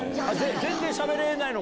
全然しゃべれないのか。